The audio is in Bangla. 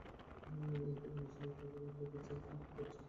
এটা বলছি, কারণ আপনার চারপাশে কী ঘটছে তা আপনি দেখছেন না।